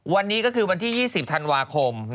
วันนี้ก็คือวันที่๒๐ธันวาคม